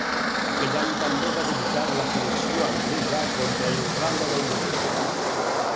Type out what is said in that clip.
Aquell any també va debutar a la selecció Anglesa contra Irlanda del Nord.